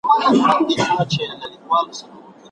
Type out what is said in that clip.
ایا پوهه د څيړني بنسټ دی؟